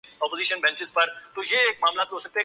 معاملہ تو اب کوئی مدد نہیں کر سکتا